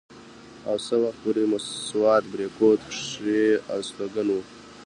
او څه وخته پورې سوات بريکوت کښې استوګن وو